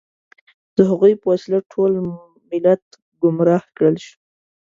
د هغوی په وسیله ټول ملت ګمراه کړل شو.